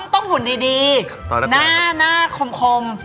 ต้องหุ่นดีหน้าคม